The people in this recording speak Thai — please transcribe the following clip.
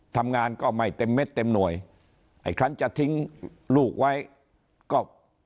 ทำงานก็ไม่เต็มเม็ดเต็มหน่วยไอ้คันจะทิ้งลูกไว้ก็